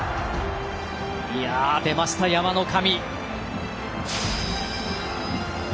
出ました、山の神。